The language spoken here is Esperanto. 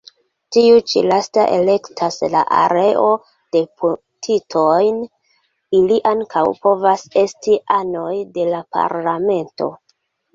Tiu ĉi lasta elektas la areo-deputitojn; ili ankaŭ povas esti anoj de la Parlamento.